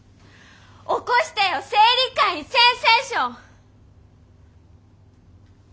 起こしてよ生理界にセンセーション！！